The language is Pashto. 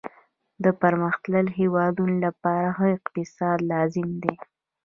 د پرمختللي هیواد لپاره ښه اقتصاد لازم دی